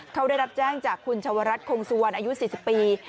เขาได้รับแจ้งจากคุณชาวรัฐคงสุวรรณอายุ๔๐ปี